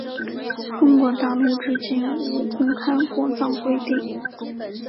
中国大陆至今无公开国葬规定。